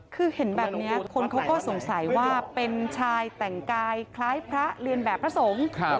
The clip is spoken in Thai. คือเห็นแบบนี้คนเขาก็สงสัยว่าเป็นชายแต่งกายคล้ายพระเรียนแบบพระสงฆ์